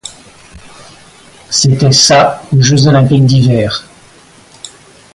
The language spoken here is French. C'était sa aux Jeux olympiques d'hiver.